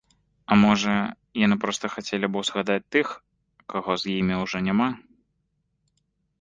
А можа, яны проста хацелі б узгадаць тых, каго з імі ўжо няма.